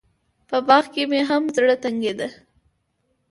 په باغ کښې مې هم زړه تنګېده.